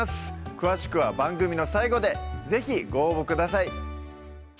詳しくは番組の最後で是非ご応募ください